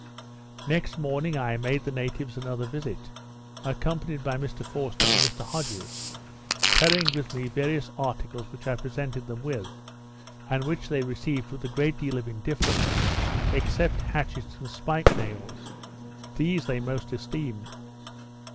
Next morning, I made the natives another visit, accompanied by Mr Forster and Mr Hodges, carrying with me various articles which I presented them with, and which they received with a great deal of indifference, except hatchets and spike nails; these they most esteemed.